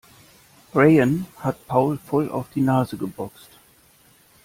Rayen hat Paul voll auf die Nase geboxt.